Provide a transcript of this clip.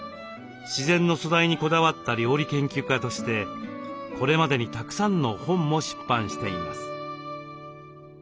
自然の素材にこだわった料理研究家としてこれまでにたくさんの本も出版しています。